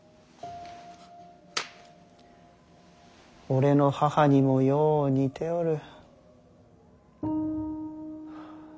俺の母にもよう似ておる。